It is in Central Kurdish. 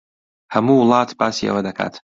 ھەموو وڵات باسی ئەوە دەکات.